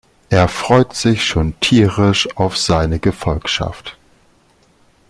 Er freut sich schon tierisch auf seine Gefolgschaft.